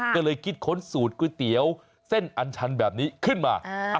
ก็เลยคิดค้นสูตรก๋วยเตี๋ยวเส้นอันชันแบบนี้ขึ้นมา